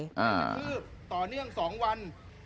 เนี่ยมันกำลังถืบต่อเนื่อง๒วัน